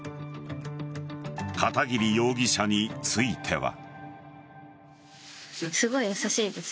片桐容疑者については。